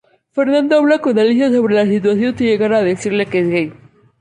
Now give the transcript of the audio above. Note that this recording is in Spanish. Fernando habla con Alicia sobre la situación, sin llegar a decirle que es gay.